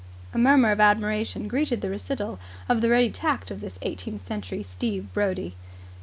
A murmur of admiration greeted the recital of the ready tact of this eighteenth century Steve Brodie.